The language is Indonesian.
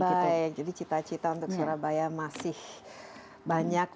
oke jadi cita cita untuk surabaya masih banyak